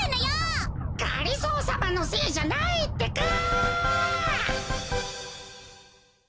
がりぞーさまのせいじゃないってか！